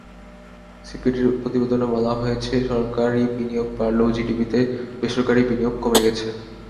সিপিডির প্রতিবেদনে বলা হয়েছে, সরকারি বিনিয়োগ বাড়লেও জিডিপিতে বেসরকারি বিনিয়োগ কমে গেছে।